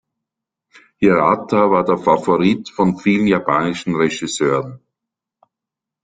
Hirata war der Favorit von vielen japanischen Regisseuren.